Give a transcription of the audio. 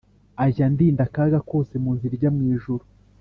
Ajya andinda akaga kose munzira ijya mu ijuru